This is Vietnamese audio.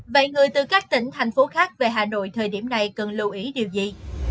vậy người từ các tỉnh thành phố khác về hà nội thời điểm này cần lưu ý điều gì